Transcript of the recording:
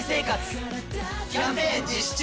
キャンペーン実施中！